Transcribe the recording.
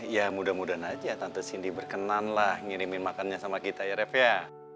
ya mudah mudahan aja tante cindy berkenan lah ngirimin makannya sama kita ya ref ya